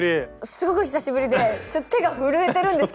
すごく久しぶりでちょっ手が震えてるんですけど。